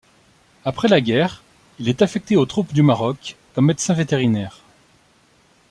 Après la guerre, il est affecté aux Troupes du Maroc comme médecin vétérinaire.